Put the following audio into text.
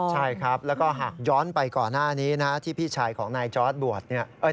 ใช่ครับแล้วก็หากย้อนไปก่อนหน้านี้นะที่พี่ชายของนายจอร์ดบวชเนี่ย